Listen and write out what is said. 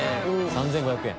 ３５００円。